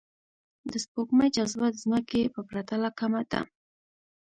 د سپوږمۍ جاذبه د ځمکې په پرتله کمه ده